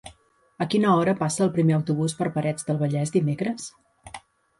A quina hora passa el primer autobús per Parets del Vallès dimecres?